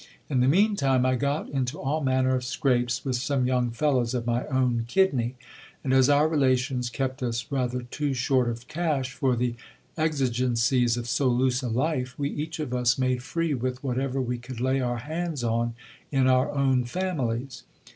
In the mean time I got into all manner of scrapes with some young fellows of my own kidney ; and, as our relations kept us rather too short of cash for the exigencies of so loose a life, we each of us made free with whatever we could lay our hands on in our own families.